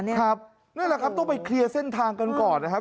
นั่นแหละครับต้องไปเคลียร์เส้นทางกันก่อนนะครับ